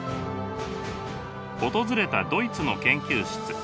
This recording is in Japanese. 訪れたドイツの研究室。